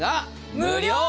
無料。